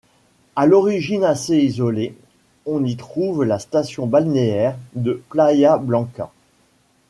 À l'origine assez isolé, on y trouve la station balnéaire de Playa Blanca.